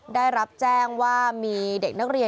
ได้รับแจ้งว่ามีเด็กนักเรียน